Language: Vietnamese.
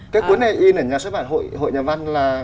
cái cuốn này in ở nhà xuất bản hội hội nhà văn là